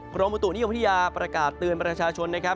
กรมบุตุนิยมพัทยาประกาศเตือนประชาชนนะครับ